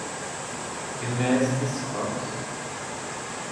Gemäß Discogs.